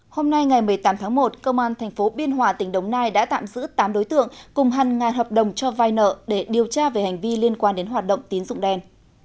hôm nay ngày một mươi tám tháng một công an tp biên hòa tỉnh đồng nai đã tạm giữ tám đối tượng cùng hàng ngàn hợp đồng cho vai nợ để điều tra về hành vi liên quan đến hoạt động tín dụng đen